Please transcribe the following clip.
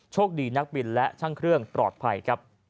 คดีนักบินและช่างเครื่องปลอดภัยครับ